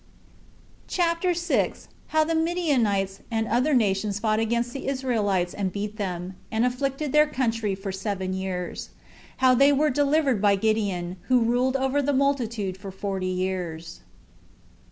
CHAPTER 6. How The Midianites And Other Nations Fought Against The Israelites And Beat Them, And Afflicted Their Country For Seven Years, How They Were Delivered By Gideon, Who Ruled Over The Multitude For Forty Years.